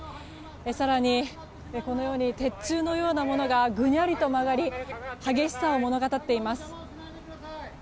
更に、このように鉄柱のようなものがぐにゃりと曲がり激しさを物語っています。